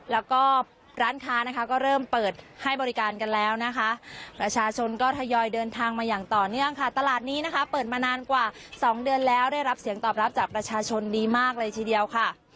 แล้วก็ร้านค้านะคะก็เริ่มเปิดให้บริการกันแล้วนะคะประชาชนก็ทยอยเดินทางมาอย่างต่อเนื่องค่ะตลาดนี้นะคะเปิดมานานกว่า๒เดือนแล้วได้รับเสียงตอบรับจากประชาชนดีมากเลยทีเดียวค่ะ